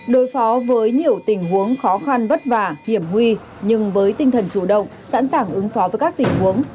đối với tình huống khó khăn vất vả hiểm huy nhưng với tinh thần chủ động sẵn sàng ứng phó với các tình huống